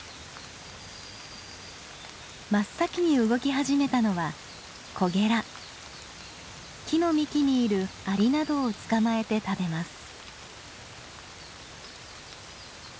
真っ先に動き始めたのは木の幹にいるアリなどを捕まえて食べます。